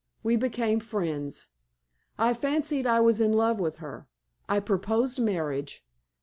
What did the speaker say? We became friends. I fancied I was in love with her. I proposed marriage.